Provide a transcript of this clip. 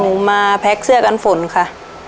หนูมาแพ็กเสื้อกันฝนค่ะ